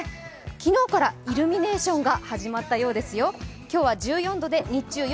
昨日からイルミネーションが始まったようですよ。